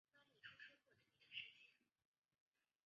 我们还有很多贷款要还